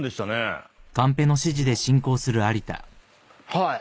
はい。